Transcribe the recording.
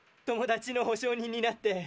友達の保証人になって。